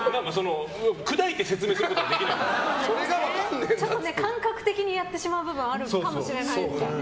砕いて説明することが感覚的にやってしまう部分はあるかもしれないですね。